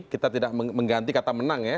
kita tidak mengganti kata menang ya